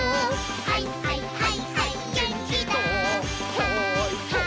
「はいはいはいはいマン」